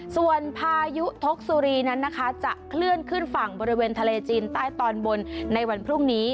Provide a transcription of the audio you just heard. ส่วนพายุทกสุรีนั้นนะคะจะเคลื่อนขึ้นฝั่งบริเวณทะเลจีนใต้ตอนบนในวันพรุ่งนี้